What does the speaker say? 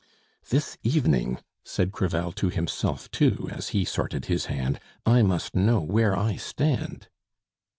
"This evening," said Crevel to himself too, as he sorted his hand, "I must know where I stand."